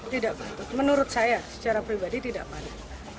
tidak pantas menurut saya secara pribadi tidak pantas